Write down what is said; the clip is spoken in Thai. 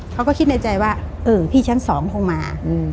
เขาก็คิดในใจว่าเออพี่ชั้น๒คงมา